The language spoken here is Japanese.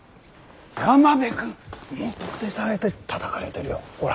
山辺君もう特定されてたたかれてるよほら。